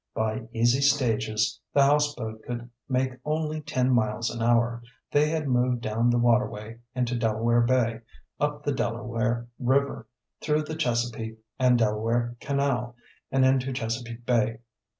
By easy stages the houseboat could make only ten miles an hour they had moved down the waterway into Delaware Bay, up the Delaware River, through the Chesapeake and Delaware Canal, and into Chesapeake Bay.